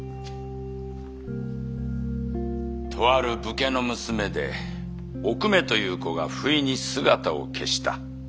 とある武家の娘でおくめという子がふいに姿を消した。